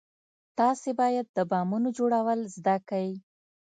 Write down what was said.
تاسې بايد د بمونو جوړول زده کئ.